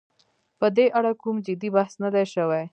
په دې اړه کوم جدي بحث نه دی شوی.